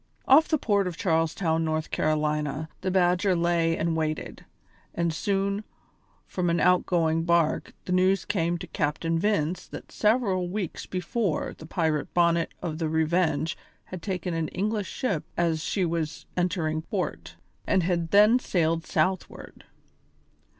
Off the port of Charles Town, South Carolina, the Badger lay and waited, and soon, from an outgoing bark, the news came to Captain Vince that several weeks before the pirate Bonnet of the Revenge had taken an English ship as she was entering port, and had then sailed southward.